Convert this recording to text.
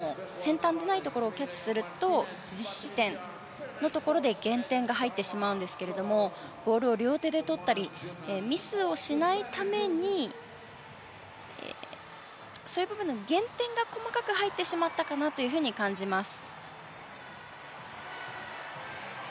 リボンの真ん中をキャッチするとスティックの先端でないところをキャッチすると実施点のところで減点が入ってしまうんですがボールを両手で取ったりミスをしないためにそういう部分の減点が細かく入ってしまったかなと感じます。